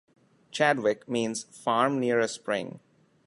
Chadwick means 'farm near a spring'.